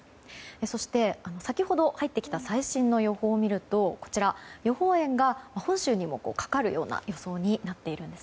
そして、先ほど入ってきた最新の予報を見ると予報円が本州にもかかるような予想になっているんです。